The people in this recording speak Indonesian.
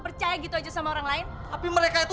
percaya gitu aja sama orang lain tapi mereka itu